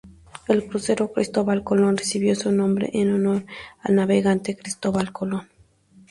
El crucero "Cristóbal Colón" recibió su nombre en honor al navegante Cristóbal Colón.